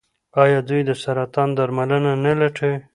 آیا دوی د سرطان درملنه نه لټوي؟